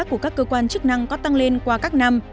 của các cơ quan chức năng có tăng lên qua các năm